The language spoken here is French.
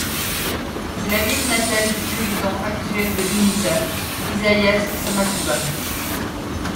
C'est la ville natale du président actuel de l'Unita, Isaías Samakuva.